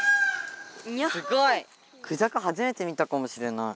クジャク初めて見たかもしれない。